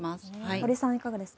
堀さん、いかがですか？